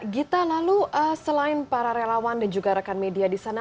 gita lalu selain para relawan dan juga rekan media di sana